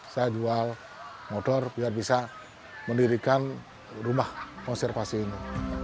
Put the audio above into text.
saya jual motor biar bisa mendirikan rumah konservasi ini